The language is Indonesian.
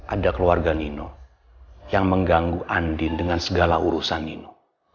ada keluarga nino yang mengganggu andin dengan segala urusan nino